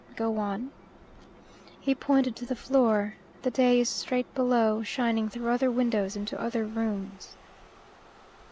"Go on." He pointed to the floor. "The day is straight below, shining through other windows into other rooms."